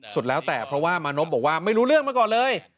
สุดแล้วแต่เพราะว่ามานพบอกว่าไม่รู้เรื่องมาก่อนเลย